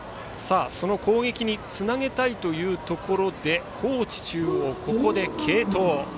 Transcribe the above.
攻撃につなげたいところで高知中央はここで継投。